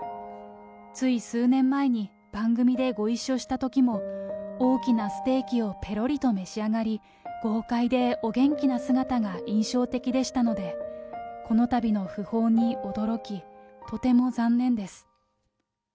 つい数年前に番組でご一緒したときも、大きなステーキをぺろりと召し上がり、豪快でお元気な姿が印象的でしたので、このたびのふ報に驚き、とても残念です。